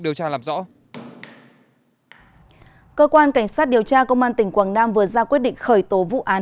điều tra làm rõ cơ quan cảnh sát điều tra công an tỉnh quảng nam vừa ra quyết định khởi tố vụ án